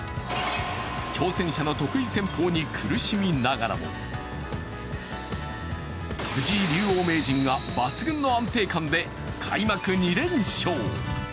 挑戦者の得意戦法に苦しみながらも藤井竜王名人が、抜群の安定感で開幕２連勝。